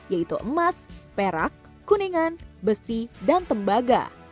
yaitu emas perak kuningan besi dan tembaga